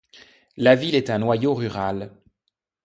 La ville est un noyau rural.